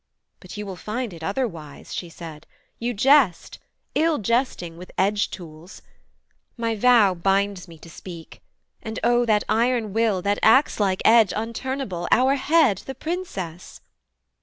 'But you will find it otherwise' she said. 'You jest: ill jesting with edge tools! my vow Binds me to speak, and O that iron will, That axelike edge unturnable, our Head, The Princess.'